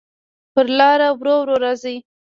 پر لاره ورو، ورو راځې